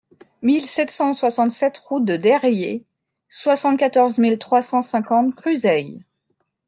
mille sept cent soixante-sept route de Deyrier, soixante-quatorze mille trois cent cinquante Cruseilles